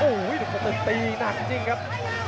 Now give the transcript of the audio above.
หนุ่มสะตึกตีหนักจริงครับ